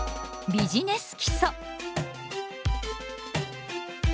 ビジネス基礎。